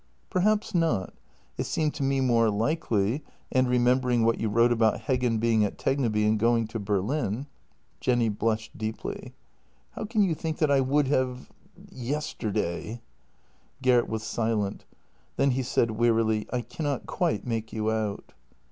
" Perhaps not. It seemed to me more likely, and, remember ing what you wrote about Heggen being at Tegneby and going to Berlin. ..." Jenny blushed deeply: JENNY 231 "How can you think that I would have — yesterday? " Gert was silent. Then he said wearily: " I cannot quite make you out."